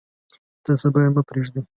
تر صبا یې مه پریږدئ.